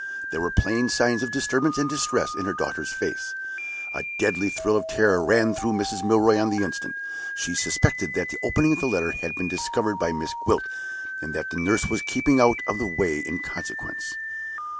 There were plain signs of disturbance and distress in her daughter's face. A deadly thrill of terror ran through Mrs. Milroy on the instant. She suspected that the opening of the letter had been discovered by Miss Gwilt, and that the nurse was keeping out of the way in consequence.